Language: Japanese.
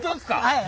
はい！